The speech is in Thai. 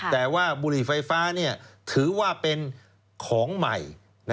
แต่ว่าบุหรี่ไฟฟ้าถือว่าเป็นของใหม่